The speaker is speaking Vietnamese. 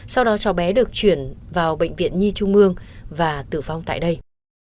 sau đó cháu bé được chuyển vào bệnh viện nhi trung mương và tử vong tại đây